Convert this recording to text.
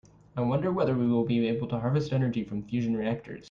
I wonder whether we will be able to harvest energy from fusion reactors.